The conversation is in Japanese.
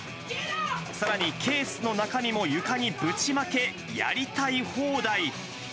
さらにケースの中身も床にぶちまけ、やりたい放題。